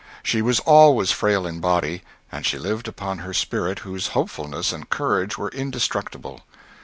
She was always frail in body, and she lived upon her spirit, whose hopefulness and courage were indestructible.